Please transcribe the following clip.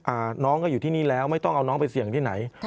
น้องก็อยู่ที่นี่แล้วไม่ต้องเอาน้องไปเสี่ยงที่ไหน